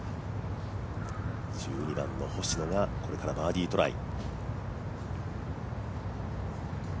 １２番の星野がこれからバーディートライ。